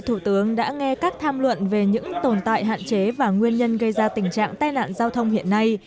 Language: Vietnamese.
thủ tướng đã nghe các tham luận về những tồn tại hạn chế và nguyên nhân gây ra tình trạng tai nạn giao thông hiện nay